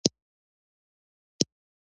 والی د ولایت لومړی درجه مسوول دی